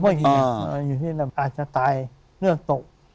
พวกมันอยู่ที่เราอาจจะตายเรื่องตก